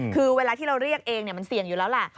คือเวลาที่เราเรียกเองมันเสี่ยงอยู่แล้วแหละ